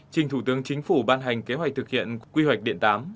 trình thủ tướng chính phủ ban hành kế hoạch thực hiện quy hoạch điện tám